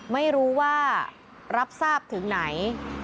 ไม่รู้ว่ารับทราบถึงไหน